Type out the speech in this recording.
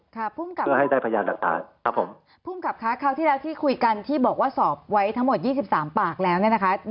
ภูมิกับเพื่อให้ได้พยานหลักฐานครับผมภูมิกับคะคราวที่แล้วที่คุยกันที่บอกว่าสอบไว้ทั้งหมดยี่สิบสามปากแล้วเนี่ยนะคะ